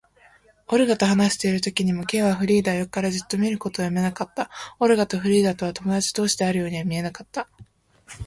オルガと話しているときにも、Ｋ はフリーダを横からじっと見ることをやめなかった。オルガとフリーダとは友だち同士であるようには見えなかった。